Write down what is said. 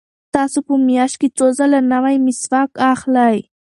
تاسو په میاشت کې څو ځله نوی مسواک اخلئ؟